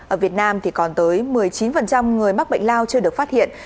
ở việt nam thì còn tới một mươi chín người mắc bệnh lao chưa được phát hiện